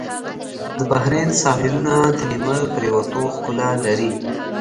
د بحرین ساحلونه د لمر پرېوتو ښکلا لري.